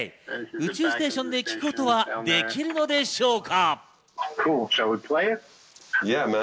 宇宙ステーションで聴くことはできるのでしょうか。